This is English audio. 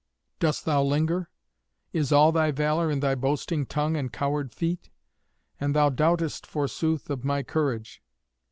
Dost thou linger? Is all thy valour in thy boasting tongue and coward feet? And thou doubtest, forsooth, of my courage.